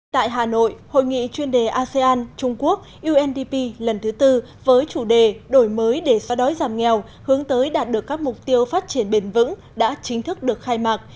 tại hà nội hội nghị chuyên đề asean trung quốc undp lần thứ tư với chủ đề đổi mới để xóa đói giảm nghèo hướng tới đạt được các mục tiêu phát triển bền vững đã chính thức được khai mạc